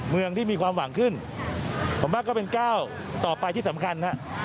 เมืองที่มีความหวังขึ้นผมว่าก็เป็นก้าวต่อไปที่สำคัญฮะ